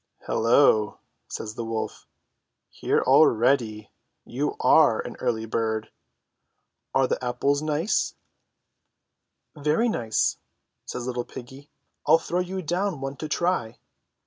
"Hullo!" says the wolf, "here already! You are an early bird ! Are the apples nice ?" THE THREE LITTLE PIGS 177 *'Very nice,'* says little piggy. "I'll throw you down one to try."